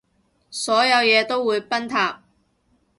所有嘢都會崩塌